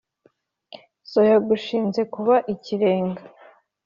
So yagushinze kuba ikirenga